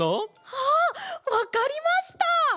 あっわかりました！